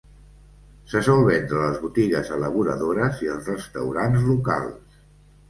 Se sol vendre a les botigues elaboradores i als restaurants locals.